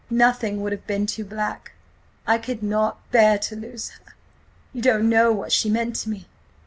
Nothing would have been too black–I could not bear to lose her. You don't know what she meant to me!"